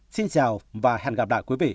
xin chào và hẹn gặp lại quý vị